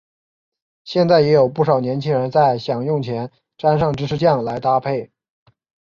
现在也有不少年轻人在享用前沾上芝士酱来搭配。